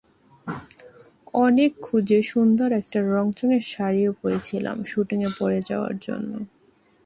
অনেক খুঁজে সুন্দর একটা রংচঙে শাড়িও পরেছিলাম শুটিংয়ে পরে যাওয়ার জন্য।